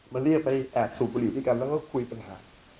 เรียกไปแอบสูบบุหรี่ด้วยกันแล้วก็คุยปัญหา